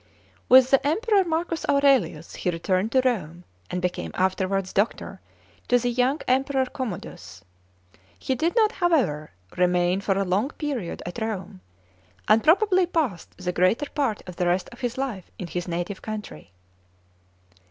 With the Emperor M. Aurelius he returned to Rome, and became afterwards doctor to the young Emperor Commodus. He did not, however, remain for a long period at Rome, and probably passed the greater part of the rest of his life in his native country.